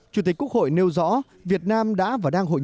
chủ tịch quốc hội nêu rõ việt nam đã và đang hội